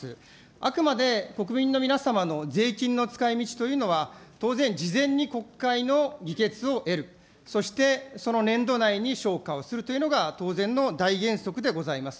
あくまで国民の皆様の税金の使いみちというのは、当然、事前に国会の議決を得る、そしてその年度内に消化をするというのが当然の大原則でございます。